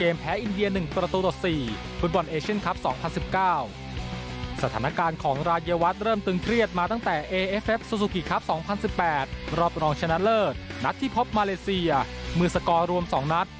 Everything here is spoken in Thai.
มีวิทยาลัยภาพมาเลเซียมือสกอรวมสองนัด